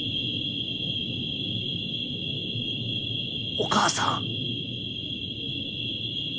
お母さん。